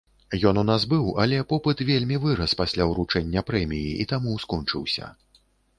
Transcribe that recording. Ён у нас быў, але попыт вельмі вырас пасля ўручэння прэміі, і таму скончыўся.